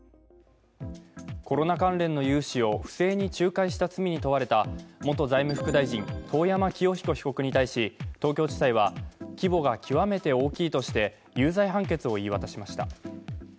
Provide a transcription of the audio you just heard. コロナ関連の融資を不正に仲介した罪に問われた元財務副大臣、遠山清彦被告に対し東京地裁は、規模が極めて大きいとして有罪判決を言い渡しました。